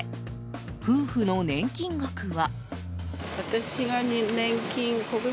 夫婦の年金額は？